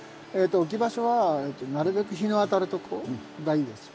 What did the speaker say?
置き場所はなるべく日の当たるとこがいいです。